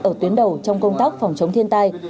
ở tuyến đầu trong công tác phòng chống thiên tai